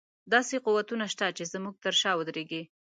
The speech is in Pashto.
داسې قوتونه شته چې زموږ تر شا ودرېږي.